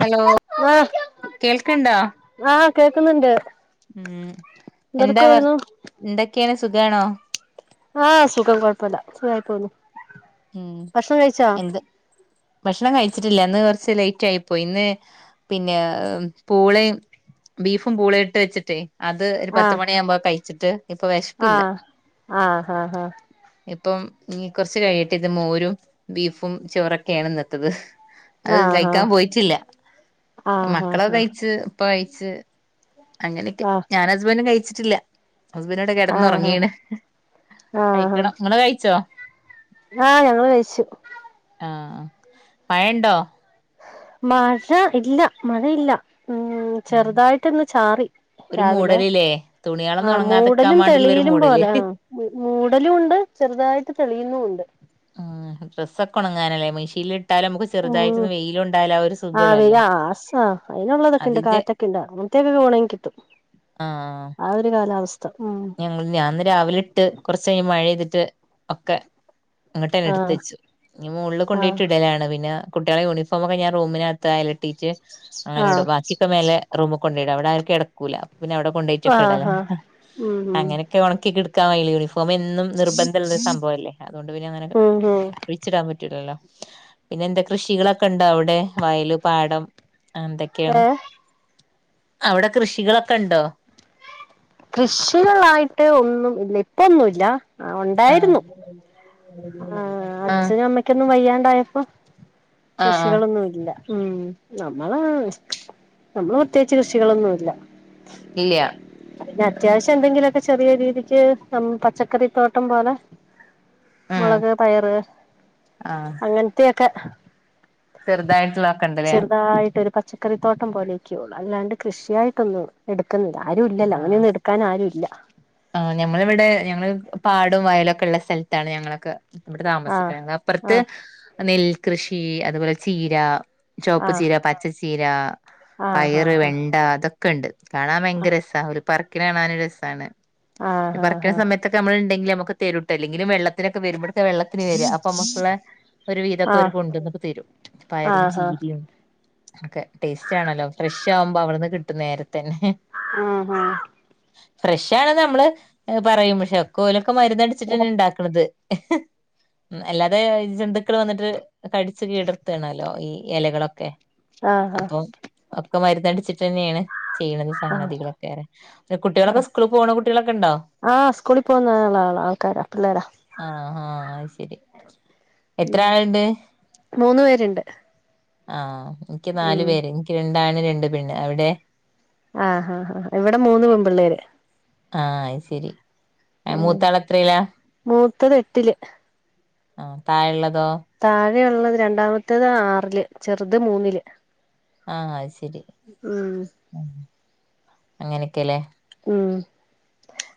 Hello ആഹ് കേൾക്കണ്ടാ ആഹ് കേക്കുന്നുണ്ട് ഉം എന്താ വർ എന്തെടുക്കുവായിരുന്നു എന്തൊക്കെയാണ് സുഖമാണോ ആഹ് സുഖം കുഴപ്പമില്ല സുഖയി പോന്നുന്നു ഉം എന്ത് ഭക്ഷണം കഴിച്ചിട്ടില്ല അന്ന് കുറച്ച് ലേറ്റ് ആയിപ്പോയി ഇന്ന് പിന്നെ പൂളെ ബീഫും പൂള ഇട്ട് വെച്ചിട്ടേ അത് ഒരു ആഹ് പത്ത്ുമണിാകുമ്പോ കഴിച്ചിട്ട് ഇപ്പൊ വിശപ്പില്ല ആഹ് ആഹ് ആഹ് ഇപ്പം ഇ കുറച്ച് കഴിഞ്ഞിട്ട് ഇത് മോരും ബീഫും ചോറൊക്കെയാണ് നിത്തത് അത് ആഹ് കഴിക്കാൻ പോയിട്ടില്ല ആഹ് ആഹ് മക്കളെക്കെ കഴിച്ച് ഇപ്പ കഴിച്ച അങ്ങനെയൊക്കെ ആഹ് ഞാൻ ഹസ്ബൻറും കഴിച്ചിട്ടില്ല ഹസ്ബൻഡ് ആഹ് കിടന്ന്റങ്ങീണ് ആഹ് കഴിക്കണം ഇങ്ങള് കഴിച്ചോ ആഹ് ഞങ്ങള് കയിിച്ചു ആഹ മഴ ണ്ടോ മഴ ഇല്ല മഴയില്ല ഉം ചെറുതായിട്ടൊന്ന് ചാറി ഒരു മൂടലില്ലേ തുണികളൊന്നും ആ് ഉണങ്ങാതെക്കാൻ മൂടലും വേണ്ടിയുള്ള ഒരു തെളിയിലും മൂടല് പോലെ ആ മൂടലും ഉണ്ട് ചെറുതായിട്ട് തെളിഴുന്നു ണ്ട് ഉ ഡ്രസ്സൊക്കെ ഉണങ്ങാനല്ലേ മെഷീൻല് ഇട്ടാല നമുക്ക് ഉം ചെറുതായിട്ടൊന്ന് വെയിലുണ്ടായാല ആ ഒരു ആഹ് സുഖള്ളൂ വെയില് ആഹ് അതിന്റെ ഒണങ്ങികിട്ടും ആഹ് ആ ഒരു കാലാവസ്ഥ ഉം ഞങ്ങൾ ഞാന്ന് രാവിലെ ഇട്ട് കുറച്ച കഴിഞ്ഞ് മഴെയ്തിട്ട് ഒക്കെ അങ്ങോട്ട് തന്നെ ആഹ് എടുത്തച്ചു ഇനി മോളില് ആഹ് കൊണ്ടയിട്ട് ഇടലാണ് പിന്നെ കുട്ടികളെ യൂണിഫോമൊക്കെ ഞാ റൂമിനത്തയല്ടീറ്റ് ആഹ് അങ്ങനെടും ബാക്കിയൊക്കെ മേലെ റൂമികൊണ്ടോയിടും ഇടല അവിടാരും കെടക്കൂല പിന്നെ അവ്ടെകൊണ്ടോയിട്ടൊക്കെ ഇടല ആഹ് ആഹ് ഉം ഉം അങ്ങനെയൊക്കെ ഉണക്കിെടക്കാൻ കയൂലെ യൂണിഫോം ഫോംഎന്നും നിർബന്ധമള്ളരു സംഭവം അല്ലേ അതുകൊണ്ട് പിന്നെ അങ്ങനെ ഉം ഉം ഒഴി ച്ചിടാൻ പറ്റൂലല്ലോ പിന്നെ എന്താ കൃഷികളൊക്കെ ഉണ്ടോ അവിടെ വയല് പാടം എന്തൊക്കെയാണ് ഏഹ് അവിടെ കൃഷികളൊക്കെ ഉണ്ടോ കൃഷ്യ അട്ടെ ഒന്നും ഇല്ല ഇപ്പൊന്നുംല്ല ആഹ് ഉണ്ടായിരുന്നു ആ ആഹ് അച്ഛനും അമ്മയ്ക്കൊന്നും വയ്യാണ്ടായപ്പോ ആഹ് ആഹ് കൃഷികളൊന്നും ഇല്ല ഉം നമ്മള നമ്മള് പ്രത്യേകിച്ച് കൃഷികളൊന്നുമില്ല ഇല്ല പിന്നെ അത്യാവശ്യം എന്തെങ്കിലുമൊക്കെ ചെറിയ രീതിക്ക് ന പച്ചക്കറിത്തോട്ടം പോലെ ഉം മുളക് പയറ് അങ്ങനത്തെയൊക്കെ ചെറുതായിട്ട്ള്ളത് ക്കെണ്ട്ല്ലേ ചെറുതായിട്ട് ഒരു പച്ചക്കറിത്തോട്ടം പോലെയൊക്കെ ഉള്ളൂ അല്ലാണ്ട് കൃഷിയായിട്ടൊന്നും എടുക്കുന്നില്ല ആരും ഇല്ലല്ലോ ആഹ അങ്ങനെയൊന്നും എടുക്കാൻ ആരും ഇല്ല ആ ഞമ്മൾവിടെ ഞങ്ങള് പാടും വയലും ഒക്കെ ഉള്ള സ്ഥലത്താണ് ഞങ്ങളൊക്കെ വിടെ ആഹ് താമസിക്കുന്നത് അപ്പുറത്ത് ആഹ് നെൽകൃഷി അതുപോലെ ചീര ചുവപ്പ് ചീര പച്ചച്ചീര ആഹ് പയറ് ആഹ് വെണ്ട അതൊക്കെ ഉണ്ട് കാണാൻ ഭയങ്കര രസമാണ് ഒരു പറക്കിന് കാണാന ഒരു രസമാണ് പി ആഹ് ആഹ് പറിക്കുന്ന ആഹ് സമയത്തക്കെ നമ്മള ഉണ്ടെങ്കിൽ നമുക്ക് തെരുട്ടോ ല്ലെങ്കിലും വെള്ളത്തിനൊക്കെ വരൂ വരുമ്പോഴ വെള്ളത്തിന് വരി അപ്പൊ നമ്മുക്കുള്ള ഒരു വീതൊക്കെ ഒരു ആഹ് കൊണ്ടന്നൊക്കെ തരും പയറും ആഹ് ആഹ് ചീരയും ഒക്കെ ടേസ്റ്റണല്ലോ ഫ്രഷ ആകുമ്പോ അവിടുന്ന് കിട്ടും നേര തന്നെ ആഹഹ ഫ്രഷ ആണ് നമ്മള് പറയും പക്ഷെ ഒക്കലൊക്കെ മരന്ന്ടിച്ചിട്ടന്നെ ഉണ്ടാക്കണുന്നത് [unintelligible] ഉ അല്ലാതെ ജന്തുക്കൾ വന്നിട്ട് കടിിച്ചു കീടർത്തണല്ലോ ഈ ഇലകളൊക്കെ ആഹ് ആഹ് അപ്പൊ ഒക്കെ മരുന്നടിച്ചിട്ട് തന്നെയാണ് ചെയ്യണത് സംഗതി കു കുട്ടികളൊക്കെ ആഹ് സ്കൂള പോകണ കുട്ടികളൊക്കെ ഉണ്ടോ ആഹ് സ്കൂളിൽ പോകുന്നള്ള ആളാ ആൾക്കാരാ പിള്ളേരാ ആഹ ആഹ ആ ശരി എത്ര ഉം ആളുണ്ട് മൂന്ന് പേരുണ്ട് ആഹ എനിക്ക് ഉം നാലു പേര് എനിക്ക് രണ്ടാണ് രണ്ട് പെണ്ണ് അവിടെ ആഹഹാ ആാ ഇവിടെ മൂന്ന് മൻപള്ളേര് ആഹ ശരി ഉം മൂത്താൾ എത്രയിലാ മൂത്തത് എട്ടില് ആ താഴള്ളതോ അങ്ങനെയള്ളത് രണ്ടാമത്തത് ആറില് ചെറുത് മൂന്നില് ആഹ അത് ശരി ഉം അങ്ങനെയൊക്കെല്ലേ ഉം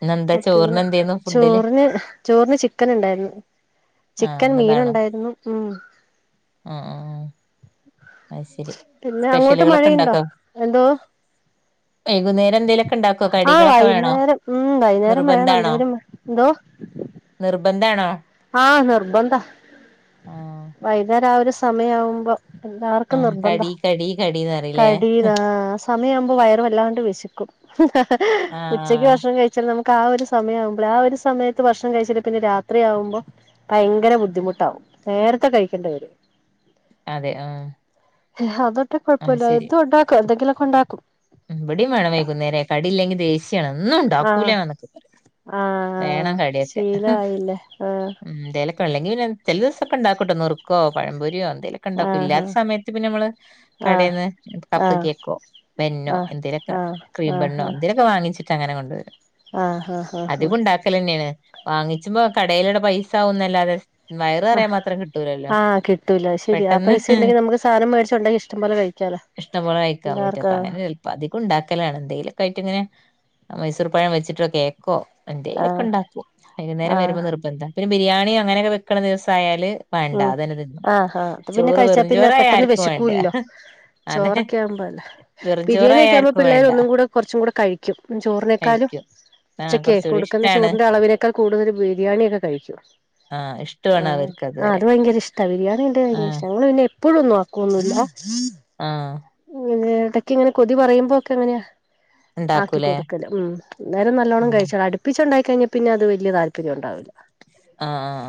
ഇന്നെന്താ പിന്നെ ചോറിന് എന്തേന്നു ഫുഡില് ചോറിന് ചോറിന് ചിക്കൻ ഉണ്ടായിരുന്നു ആഹ് ചിക്കൻ മീൻ ഇന്നതാണോ ഉണ്ടായിരുന്നു ഉ ആഹ് ആഹ് അത് ശരി പിന്നെ അങ്ങോട്ട് സ്പെഷ്യലുകളൊക്കെ മഴയുണ്ടോ ഇണ്ടാക്കോ എന്തോ വൈകുന്നേരം എന്തേങ്കലുമൊക്കെ ഉണ്ടാക്കോ ആഹ് കടികളൊക്കെ വേണോ വൈകുന്നേരം ഉം വൈകുന്നേരം വേണം നിർബന്ധാണോ എന്തേലും നിർബന്ധ ആണോ ആഹ നിർബന്ന്ത ആഹ് വൈതാ രാവിലെ സമയവുമ്പോ എല്ലാർക്കും ആഹ് കടി നിർബന്ധം കടി കടീന്ന് പറയില്ലേ കട ആ സമയവുമ്പോ വയറ വല്ലാണ്ട് വിശിക്കും ഹഹഹ ഉച്ചക്ക് ആഹ് ഭക്ഷണം വ കഴിച്ചല് നമുക്ക് ആ ഒരു സമയം ആവുമ്പോ ആ ഒരു സമയത്ത് ഭർഷണം കഴിച്ചല് പിന്നെ രാത്രി ആവ്പോ ഭയങ്കര ബുദ്ധിമുട്ടാവും നേരത്തെ കഴിക്കണ്ട വര് അതെ ആഹ അതൊട്ടെ കുഴപ്പമില്ല എത് ഉണ്ടാക്കും എന്തെങ്കിലുമൊക്കെ ഉണ്ടാക്കും ഉം ഇവിടെയും ണ്ട ആഹ് കൂലയാാന്നൊക്കെ പറയാം ആഹ് വേണം കടിയൊക്കെ ശീലായില്ലേ ഉ ഇന്തലൊക്കെ ഉള്ള എങ്ങനെ ചെിലിവസൊക്കെണ്ടാക്കോട്ടോ നുർക്കോ പഴമ്പൊരിയോ എന്തേലൊക്കെ ഉണ്ടാക്കും ആഹ് ഇല്ലാത്ത സമയത്ത് പിന്നെ നമ്മള് ആഹ് കടയിൽന്ന് കപ്പ് ആഹ് കേക്കോ മെന്നോ ആഹ് എന്തേലൊക്കെ ക്രീംെണ്ണോ ആഹ് ആഹ് എന്തേലൊക്കെ വാങ്ങിച്ചിട്ട് അങ്ങനെ കൊണ്ടുവരും ആഹ് ആഹ് ആഹ് ആഹ് അധിക ഉണ്ടാക്കല തന്നെയാണ് വാങ്ങിച്ച്പോ കടയിലടെ പൈസ ആകുന്നല്ലാതെ ആഹ ആഹ് കിട്ടൂല ശരി ആ പെട്ടെന്ന് പൈസ ഉണ്ടെങ്കി നമുക്ക് സാധനം മേടിച്ച ഉണ്ടെങ്കി ഇഷ്ടംപോലെ കഴിക്കാലോ ഇഷ്ട പോലെ അയക്കാൻ പറ്റും എല്ലാർക്കും അങ്ങനെ ച അധികം ഉണ്ടാക്കലാണ് എന്തേലുമൊക്കെയിട്ട് ഇങ്ങനെ മൈസൂർ പഴം വെച്ചിട്ട് കേ ആ എന്തേലൊക്കെ ആഹ് ഉണ്ടാക്കും വൈകുന്നേരം ആഹ് വരുമ്പോൾ നിർബന്ധം പിന്നെ ബിരിയാണി അങ്ങനൊക്കെക്കുന്ന ദിവസ ആയാല് ഉം ആ ആാ അ പിന്നെ കഴിച്ചാ വെറും പിന്നെ ചോറായ പെട്ടെന്ന് ആർക്കും വേണ്ട വിശിക്കൂല്ലോ അതെ ചോറൊക്കെ ആവുമ്പോല്ലേ ബിരിയാണിയ വെറുംചോറായ ഒക്കെ ആകുമ്പോ ആർക്കും പിള്ളേർ വേണ്ട ഒന്നും കൂടെ കുറച്ചും കൂടെ കഴിക്കും ചോറിനേക്കാലും കഴിക്കും ആഹ് ഉച്ചക്കേ കുറച്ചുകൂടി കൊടുക്കുന്ന ഇഷ്ടാണ് ചോറിന്റെ അളവിനേക്കാൾ കൂടുതരു ബിരിയാണിൊക്കെ കഴിക്കും ആ ഇഷ്ടമാണ് അവർക്ക് ആഹ അതുവരെ അത് ഭയങ്കര ഇഷ്ട ബിരിയാണിന്റെ ഭയങ്ക ഇ്ട ആഹ് നങ്ങൾന്നെ എപ്പോഴുംന്നും ആക്കുവൊന്നുമില്ല ആഹ ഇങ്ങനെ ഇടക്കക്ക് ഇങ്ങനെ കൊതി പറയുമ്പോ ഒക്കെ എങ്ങനെയാ ആക്കി ഉണ്ടാക്കൂലേ കൊടുക്കല് ഉ നേരം നല്ലോണം ആഹ് കഴിച്ചോ അടുപ്പിച്ച ഉണ്ടാക്ക കഴിഞ്ഞ പിന്നെ അത് വലിയ താല്പര്യം ഉണ്ടാവില്ല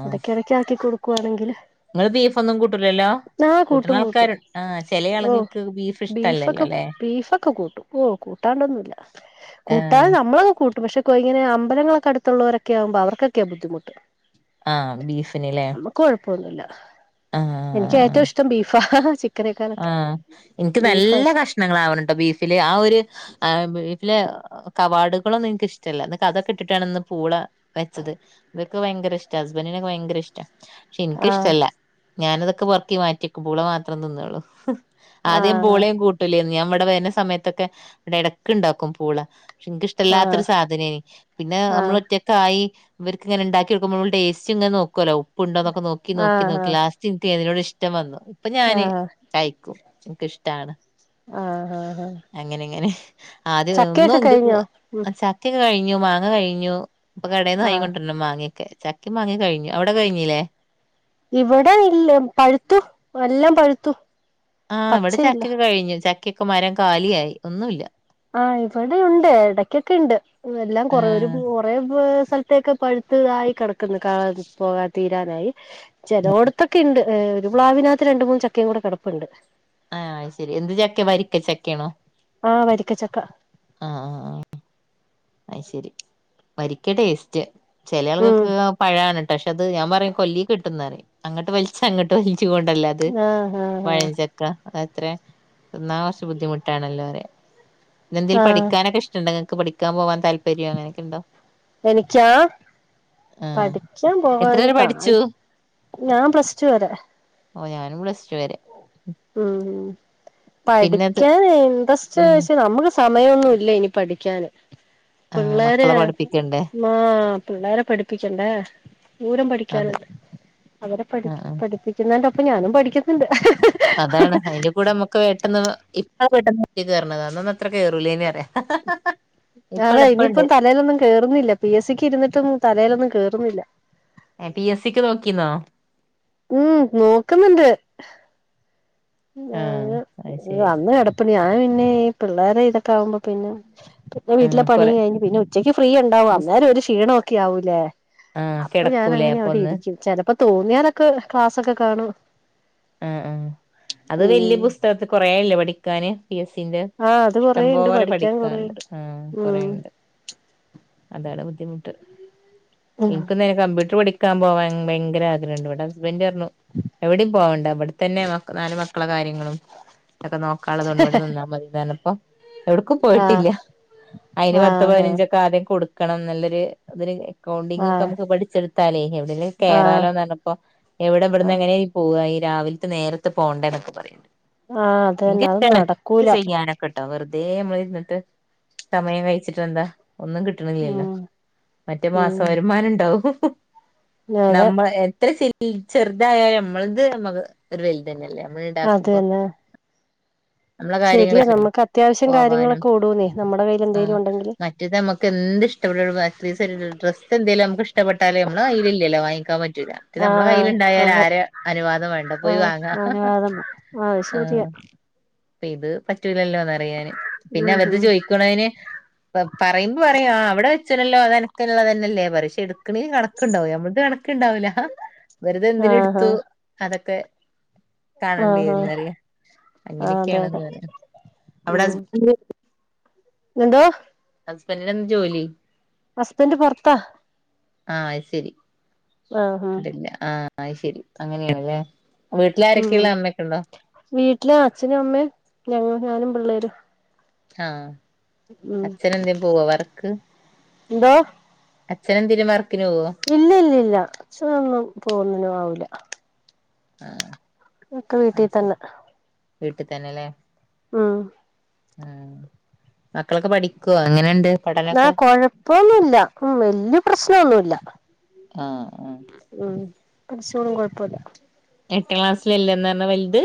ഇടക്ക ഇടക്ക ആക്കി കൊടുക്കുവാണെങ്കിൽ നിങ്ങള് ബീഫ ഒന്നും കൂട്ടൂലല്ലോ കൂട്ടന കൂട്ടും കൂട്ടും ആൾക്കാരണ്ട് ആ ചില ഓഹ് ആളുകൾക്ക് ബീഫ് ഇഷ്ടല്ലല്ലോ ബീഫൊക്കെ ല്ലേ ബീഫൊക്കെ കൂട്ടും ഓ കൂട്ടാണ്ടൊന്നുമല്ല ആഹ് കൂട്ടാതെ നമ്മളൊക്കെ കൂട്ടും പക്ഷെ ഇ ഇങ്ങന അമ്പലങ്ങളൊക്കെ അടുത്തുള്ളവരൊക്ക ആാവുമ്പോ അവർക്കെ ബുദ്ധിുട്ട് ആഹ് ബീഫിന് ല്ലേ നമ്മക്ക് കൊഴപ്പൊന്നുമില്ല എനിക്ക് ഏറ്റവും ഇഷ്ടം ബീഫാ ഹഹ. ആഹ എനിക്ക് നല്ല ഇഷ്ടം കഷ്ണങ്ങളാവണട്ടോ ബീഫില് ആ ഒരു ആ പിന്നെ. ൽ കവാടുകളോനിക്ക് ഇഷ്ടല്ല അതൊക്കെ ഇട്ടിട്ടാണ് ഇന്ന് പൂള വെച്ചത് ഇതൊക്കെ ഭയ. യങ്കര ഇഷ്ട ഹസ്ബൻഡിനൊക്കെ ഭയങ്കര ഇഷ്ട. പക്ഷെ ആഹ് എനിക്കിഷ്ടല്ല ഞാനതൊക്കെ പെറുക്കിമാറ്റിയക്കും പൂള മാത്രം തിന്നൊള്ളൂ. ആദ്യം ആഹ് പൂളയും കൂട്ടൂലന്ന് ഞാൻ ഇവിടെ വരുന്ന സമയത്തൊക്കെ ഇവിടെ എടക്കിണ്ടാക്കും പൂള. പക്ഷെ എനക്ക് ഇഷ്ടല്ലാത്തൊരു ആഹ് സാധനെനി പിന്നെ നമ്മൾ ആഹ് ഒറ്റക്കായി. ഇവര്ക്ക് ഇങ്ങനെണ്ടാക്കിയോക്കുമ്പോ മ്മള് ടേസ്റ്റ് ഇങ്ങനനോക്കുവലോ ഉപ്പിണ്ടൊന്നൊക്കെ നോക്കി നോക്കി ആഹ് ആഹ് നോക്കി ലാസ്റ്റിനിക്ക് അതിനോട് ഇഷ്ട്ട.. ഇഷ്ടം വന്നു അപ്പൊ ആഹ് ഞാന് ആഹ് കഴിക്കും എനക്കഇഷ്ടാണ്. ആഹ് ആഹ് അങ്ങനെ ഇങ്ങനെ ആദ്യ ഒന്നും ചക്കയൊക്കെ കഴിഞ്ഞോ ഉം ചക്കയൊക്കെ കഴി. ഞ്ഞു മാങ്ങ കഴിഞ്ഞു ഇപ്പൊ കടയിൽന്ന് ആഹ് വങ്ങികൊണ്ടരണം മാങ്ങയൊക്കെ. ചക്കി മാങ്ങി കഴിഞ്ഞു അവിടെ കഴിഞ്ഞല്ലേ. ഇവിടെ ഇല്ല പഴുത്തു എല്ലാം പഴുത്തു. ആഹ് ഇവിടെ പച്ചയില്ല ചക്കൊക്കെ കഴിഞ്ഞു ചക്കയൊക്കെ മരം കാലിയായി ഒന്നുല്ല. ആഹ് ഇവിടെ ഉണ്ട് എടക്കൊക്കെ ഉണ്ട് എല്ലാം കൊറ ഒരു ആഹ് കൊറെ. സ്ഥലത്തേക്കെ പഴുത്തതായി കിടക്കുന്ന പോകാ തീരാനായി ചിലവടത്തൊക്കെയിണ്ട്. ഏ ഒരു പ്ലാവിനകത്ത് രണ്ട്‌ മൂന്ന് ചക്കയും കൂടെ കിടപ്പുണ്ട്. ആഹ് ശരി എന്ത് ചക്ക വരിക്ക ചക്കയാണോ. ആഹ് വരിക്കച്ചക്ക. ആഹ് അയ്ശരി വരിക്ക ടേസ്റ്റ്. ഉം ചേലാൾകൾക്കൊക്കെ പഴാണ് പക്ഷെ അത് ഞാൻ പറയും കൊല്ലി കിട്ടുന്ന അങ്ങട്ട് വലിച്ച ഇങ്ങട്ട് വലി. ച്ച കൊണ്ടല്ല അത്. ആഹ് ആഹ് എന്നാ കുറച്ച ബുദ്ധിമുട്ടാണല്ലോ പറയ ഇന്നീന്തേലും ആഹ് ആഹ് പഠിക്കാനൊക്കെ ഇഷ്ടണ്ടോ ഇങ്ങൾക്ക്. പഠിക്കാൻ പോവാൻ താല്പര്യം അങ്ങനൊക്കെണ്ടോ. എനിക്കാ പഠിക്കാൻ പോവാൻ താൽ ഞാൻ പ്ലസ് ടു വരെ. ഓഹ് ഞാനും പ്ലസ്റ്റ് വരെ. പിന്നത് പഠിക്കാന് ഉം ഇന്റർസ്റ് നമുക്ക് സമയമൊന്നുല്ല ഇനി പഠിക്കാന്. ആഹ് പിള്ളേരെ മക്കളെ പഠിപ്പിക്കണ്ടേ ആ പിള്ളേരെ പഠിപ്പിക്കണ്ടേ. ന്തോരം അതെ പഠിക്കാനുണ്ട് അവരെ പഠി ആഹ് ആഹ് പഠിപ്പിക്കുന്നെന്റോപ്പം ഞാനും പഠിക്കുന്നുണ്ട്. അതാണ് അതിന്റെ കൂടെ അമ്മക്കും പെട്ടെന്ന് ഇപ്പ. പെട്ടെന്ന് നെറ്റി കയറണതാ അന്നൊന്നും അത്ര കേയറൂലേ പറയാ. ഇപ്പ അതാ എളുപ്പണ്ട് ഇനിയിപ്പം തലയിലൊന്നും കേറുന്നില്ല പി എസ് സിക്ക് ഇരുന്നിട്ടും തലയിലൊന്നും കേറുന്നില്ല. പി എസ് സിക്ക് നോക്കിന്നോ. ഉം നോക്കുന്നുണ്ട്. ആഹ് അത് ശരി. അന്ന് ഞാൻ കിടപ്പുണ്ട് പിന്നെ ഈ പിള്ളേരെ ഇതൊക്കെ ആകുമ്പോ പിന്നെ. പിന്നെ വീട്ടിലെ ആഹ് പണി കൊറെ കഴിഞ്ഞ് പിന്നെ ഉച്ചക്ക് ഫ്രീ ഉണ്ടാവും ബുസ് അന്നേരം ഒരു ക്ഷീണഒക്കെ ആവൂലേ. ആഹ് അപ്പൊ ഞാൻ കിടക്കൂലേ അങ്ങനെ അപ്പൊ അവിടെ ഒന്ന് ഇരിക്കും ചിലപ്പോ തോന്നിയാലൊക്കെ ക്ലാസ്സൊക്കെ കാണും. ആഹ് ആ അത് വല്യ ഉം പുസ്തകത്തികുറേല്ലേ പഠിക്കാന് പി എസ് സി. അ ആഹ് അത് ഇഷ്ടം കൊറേണ്ട് പോലെ പഠിക്കാൻ പഠിക്കാണ്ട് കൊറേണ്ട് ആ ഉം കൊറെയിണ്ട്. അതാണ് ബുദ്ധിമുട്ട് എനിക്കന്നെ കമ്പ്യൂട്ടർ പഠിക്ക. ക്കാൻ പോവാൻ ഭയങ്കര ആഗ്രഹണ്ട് ഇവിടെ ഹസ്ബൻഡറഞ്ഞു എവിട പോവാണ്ട. വിടെത്തന്നെ നാല് മക്കളെ കാര്യങ്ങളും ഒക്കെ നോക്കാുള്ളതൊണ്ട് ഇവിടെ നിന്നാൽ മതിറഞ്ഞപ്പോ. എവിടക്കും ആഹ് പോയിട്ടില്ല അയിന് ആഹ് ആഹ് പത്തപതിനഞ്ചൊക്കെ ആദ്യം കൊടുക്കണം ന്നല്ലൊരു ഇതിന്. അക്കൗണ്ടിംഗ ഒക്കെ ആഹ് നമുക്ക് പഠിച്ചെടുത്താലേ. അതില് ആഹ് കേറാലോന്ന് പറഞ്ഞപ്പോ എവിടെവിടന്ന് ആഹ് എങ്ങനെ ഇയ് പോവായി. രാവിലത്തെ നേരത്ത് പോകണ്ടേ എന്നൊക്കെ പറയും ആഹ് അത് തന്നെ നിക്ക് അത് [unintelligible] നടക്കൂല ചെയ്യാനൊക്കെട്ടോ വെറതെ. തേമ്മൾ ഇര്ന്നിട്ട് സമയം കഴിച്ചിട്ട് ന്താ. ഒന്നും കിട്ടണില്ലല്ലോ ഉം മറ്റേ മാസ ഉം വരുമാനം ഉണ്ടാവും. അതെ നമ്മ എത്ര ചെറുതായാലും അമ്മളത് നമ്മക്ക് ഒരു വലുതന്നെയല്ലേ. നമ്മൾ അത് ഉണ്ടാക്കുമ്പോ തന്നെ നമ്മളെ ശരിയാ കാര്യങ്ങല്ലോ നമുക്ക് അത്യാവശ്യം പോവാനും കാര്യങ്ങളൊക്കെ ഓടൂന്നേ നമ്മുടെ കയ്യിൽ ആ എന്തെലും ഉണ്ടെങ്കില് മറ്റത് നമ്മുക്ക് എ ന്ത് ഷ്ടപ്പെട്ടുള്ളരീയത്തിൽ ഡ്രസ് എലും നഷ്ടപ്പെട്ടാലേ നമ്മലേ വാങ്ങിക്കാൻ പറ്റ ആഹ് കയ്ൽുണ്ടായാല അതെ ആര അനുവാദം വേണ്ട പോയി ആഹ് വാങ്ങ അനുവാദം അത് ആ ശരിയാ ഇ ഇത് പറ്റ്റ്റൂല്ലല്ല യാന് പിന്നെ ഉം അവടുത് ഉം ചോദിക്കണന് പറയുമ്പോ പറയും ആഅവിടെ നല്ലോ അതനക്കുള്ളള്ളതന്നെല്ലേ പക്ഷെ എടുക്കണ കണക്കുണ്ടാവും നമ്മൾക്ക് കണക്കുണ്ടാവില്ല വെറുതെന്തിന ആഹ് ആഹ് എടുത്തു അതൊക്കെ കാണണ്ടി ആഹ് ആഹ് വരന്ന്റിയാം ആഹ് അതെ അങ്ങനെയൊക്കെയാണന്ന് അതെ പറയാം അവിടെ ഉം ഹസ്ബൻഡ എന്തോ ഹസ്ബൻഡിനെന്ത് ജോലി ഹസ്ബൻഡ് പുറത്താ ആഹ ശരി ആഹഹ അ ശരി അങ്ങനെയണല്ലേ ഉം വീട്ടിലെ അച്ഛനും അമ്മേയും ഞങ്ങ ഞാനും പിള്ളേര് ആഹ അച്ഛന എന്തേും പോവ വറക്ക് ന്തോ അച്ഛും നെതിരുമാറ്ക് ഇല്ല ഇല്ലല്ല ഛനോന്നും പോന്നിനും ആവൂല ആഹ ഒക്കെ വീട്ടീ തന്നെ വീട്ടിൽ തന്നെല്ലേ ആഹ ആ മക്കളൊക്കെ പഠിക്കുവ ഏങ്ങനെയണ്ട് ആ കൊഴപ്പൊന്നുമല്ല ഉ വല്യ പ്രശ്നമൊന്നുമല്ല ആഹ ഉം പടിച്ചോളും കൊഴപ്പമില്ല എട്ടാം ക്ലാസ്സിലല്ലേ എന്ന പറഞ്ഞാ വലുത്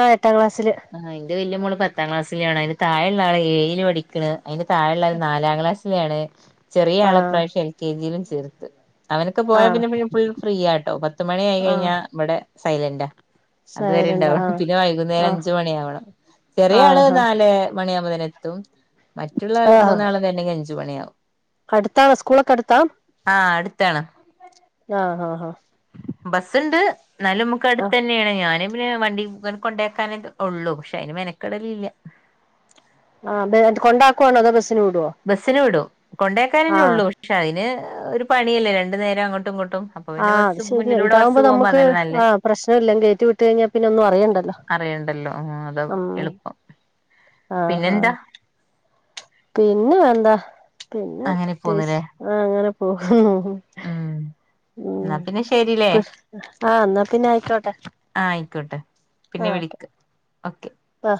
ആ എട്ടാം ക്ലാസ്സില് ആഹ് എന്റെ വല്യ മോള് പത്താം ക്ലാസ്സിലെയാണ് അതിന്റെ താഴെയുള്ള ആള് ഏഴയില് പഠിക്കണ അതി്ന്റെ താഴെയുള്ള ആള് നാലാം ക്ലാസിലാണ് ചെറിയ ആഹ് ആളപ്രാവശ്യം എൽ കെ ജിയിലും ചേർത്ത് അവനൊക്കെ പോയാ ആഹ് പിന്നെെ ഫുൾ ഫ്രീ ആട്ടോ പത്തുമണി ആയി ആഹ് കഴിഞ്ഞാ ഇവിടെ സൈലന്റാ അതുവരെ സൈലന്റ് ആ ഉണ്ടാവണം പിന്നെ വൈകുന്നേരം ആ അഞ്ച മണി ആവണം ചെറിയ ആള് ആഹ് നല് മണിയാകുമ്പോേത്തും മറ്റുള്ളൾ മൂന്നാളണ്ടെങ്കിൽ അഞ്ചു മണിയാവും അടുത്താ സ്കൂളൊക്കെ അടുത്താം ത്താണ് ആഹ് ബസ്സുണ്ട് ന്നാലും മുക്ക് ആ അടുത്ത് തന്നെയാണ് ഞാനും വണ്ടിനെ കൊണ്ടേക്കാനക്കെ ഉള്ളു പക്ഷെ അയിന് മെനക്കിടലല്ല ആ അത് കൊണ്ടാക്കുവാണോ അതോ ബസ്സിന് വിടുവോ ബസ്സിന് വിടും കൊണ്ടേക്കാനന്നെ ആഹ് ഉള്ളൂ പക്ഷെ അതിന് ഒരു പണിയല്ലേ രണ്ടു നേരം അങ്ങോട്ടും ഇങ്ങോട്ടും അപ്പൊ പിന്നെ ആഹ് ബസ് ശരിയ മുന്നിലൂടെ ബസ് ഇതാകുമ്പോ പോകുമ്പോ നമുക്ക് അതല്ലേ നല്ലേ ആഹ പ്രശ്നം ഇല്ല ക കേറ്റി വിട്ട കഴിഞ്ഞാൽ പിന്നെ ഒന്നും അറിയണ്ടല്ലോ അറിയണ്ടല്ലോ അത എളുപ്പം ആ ഹാ പിന്നെന്താ പിന്നെ എന്താ പിന്നെ അങ്ങനെ പ്രത്യേകിച്ച് പോന്നുല്ലേ ആ അങ്ങനെ പോകുന്നു ഉം ഉ എന്നാ പിന്നെ ശരില്ലേ ആഹ എന്നാ പിന്നെ ആയിക്കോട്ടെ ട്ടെ പിന്നെ വിളക്ക് ഓക്കെ വഹ